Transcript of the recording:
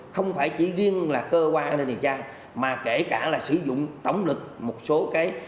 không phải chỉ riêng là cơ quan an ninh điều tra mà kể cả là sử dụng tổng lực một số cái